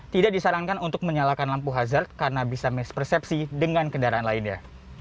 tidak disarankan untuk menyalakan lampu hazard karena bisa mispersepsi dengan kendaraan lainnya